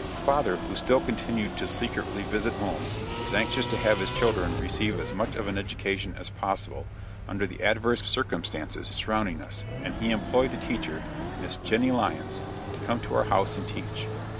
Father, who still continued to secretly visit home, was anxious to have his children receive as much of an education as possible, under the adverse circumstances surrounding us, and he employed a teacher, Miss Jennie Lyons, to come to our house and teach.